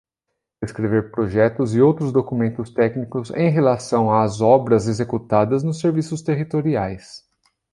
Escrever projetos e outros documentos técnicos em relação às obras executadas nos serviços territoriais.